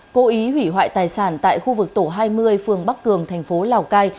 cố ý hủy hoại tài sản tại khu vực tổ hai mươi phường bắc cường thành phố lào cai